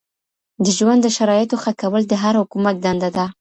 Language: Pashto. د ژوند د شرايطو ښه کول د هر حکومت دنده ده.